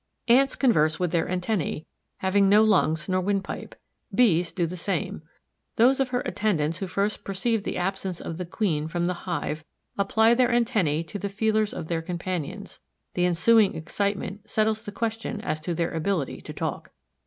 Ants converse with their antennæ, having no lungs nor windpipe. Bees do the same. Those of her attendants who first perceive the absence of the queen from the hive apply their antennæ to the feelers of their companions. The ensuing excitement settles the question as to their ability to talk.